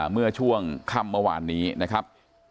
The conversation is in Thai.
เมื่อช่วงค่ำเมื่อวานนี้นะครับ